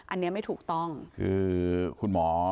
อันนี้ไม่ถูกต้องคือคุณหมอ